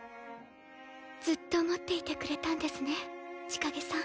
ずっと持っていてくれたんですね千景さん。